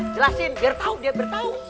jelasin biar dia tahu dia beritahu